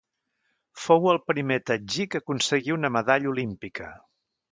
Fou el primer tadjik a aconseguir una medalla olímpica.